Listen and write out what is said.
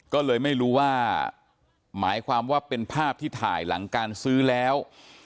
ก็เลยไม่รู้ว่าหมายความว่าเป็นภาพที่ถ่ายหลังการซื้อแล้ว